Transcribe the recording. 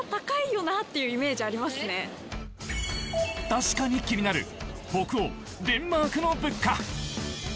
確かに気になる北欧・デンマークの物価。